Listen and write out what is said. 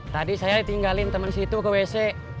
tadi saya tinggalin temen situ ke wc